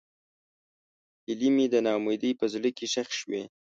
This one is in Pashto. هیلې مې د نا امیدۍ په زړه کې ښخې شوې.